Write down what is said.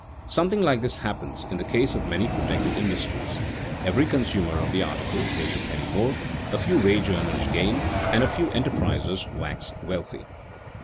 Something like this happens in the case of many protected industries; every consumer of the article pays a penny more, a few wage earners gain, and a few enterprisers wax wealthy.